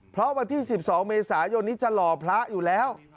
เพราะวันที่๑๒เมษายนนี้จะหล่อพระอยู่แล้ว